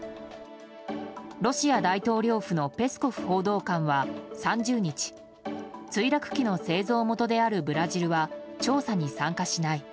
ロシア大統領府のペスコフ報道官は、３０日墜落機の製造元であるブラジルは調査に参加しない。